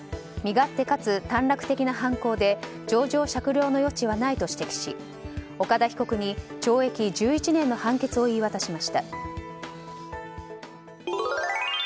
身勝手かつ短絡的な犯行で情状酌量の余地はないと指摘し、岡田被告に懲役１１年の判決を言い渡しました。